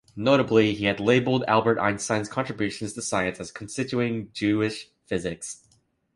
Notably, he had labeled Albert Einstein's contributions to science as constituting "Jewish physics".